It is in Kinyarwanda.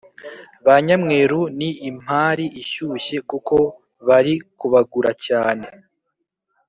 Banyamweru ni impari ishyushye kuko bari kubagura cyane